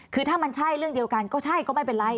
คือถ้ามันใช่เรื่องเดียวกันก็ใช่ก็ไม่เป็นไร